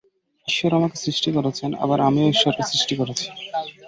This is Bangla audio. ঈশ্বর আমাকে সৃষ্টি করেছেন, আবার আমিও ঈশ্বরকে সৃষ্টি করেছি।